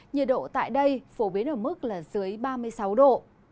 nhiệt độ tại đây phổ biến ở mức là dưới ba mươi sáu độ